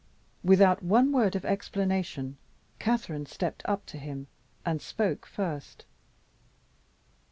Without one word of explanation, Catherine stepped up to him, and spoke first.